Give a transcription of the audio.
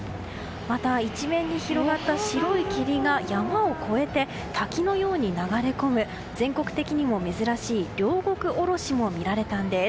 また、一面に広がった白い霧が山を越えて滝のように流れ込む全国的にも珍しい両国おろしも見られたんです。